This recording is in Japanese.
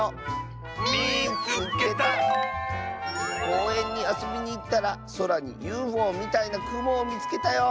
「こうえんにあそびにいったらそらにＵＦＯみたいなくもをみつけたよ」。